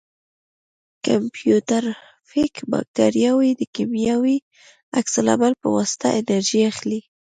کیموټروفیک باکتریاوې د کیمیاوي عکس العمل په واسطه انرژي اخلي.